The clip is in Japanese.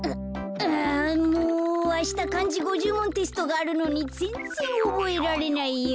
あしたかんじ５０もんテストがあるのにぜんぜんおぼえられないよ。